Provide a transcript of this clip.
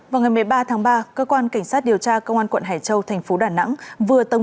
vào ngày một mươi ba tháng ba cơ quan cảnh sát điều tra công an quận hải châu thành phố đà nẵng vừa tống